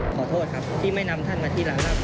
ขอโทษครับที่ไม่นำท่านมาที่หลังรับ